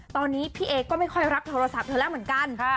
ตอนนี้พี่เอก็ไม่ค่อยรับโทรศัพท์เธอแล้วเหมือนกัน